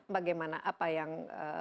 bagaimana apa yang